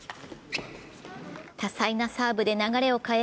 多彩なサーブで流れを変え